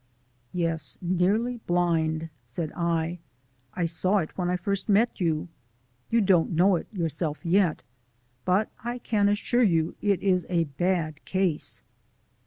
"Yes, nearly blind," said I. "I saw it when I first met you. You don't know it yourself yet, but I can assure you it is a bad case."